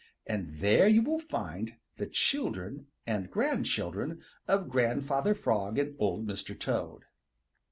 And there you will find the children and grandchildren of Grandfather Frog and Old Mr. Toad.